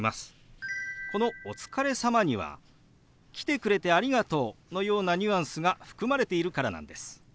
この「お疲れ様」には「来てくれてありがとう」のようなニュアンスが含まれているからなんです。